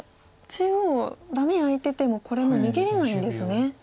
中央ダメ空いててもこれもう逃げれないんですね。